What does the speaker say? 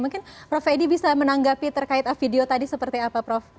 mungkin prof edi bisa menanggapi terkait video tadi seperti apa prof